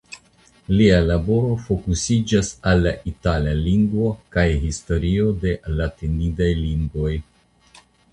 Lia laboro fokusiĝis al la itala lingvo kaj historio de la latinidaj lingvoj.